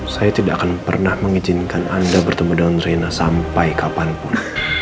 saya tidak akan pernah mengizinkan anda bertemu dengan reina sampai kapanpun